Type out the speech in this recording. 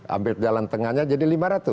ambil jalan tengahnya jadi lima ratus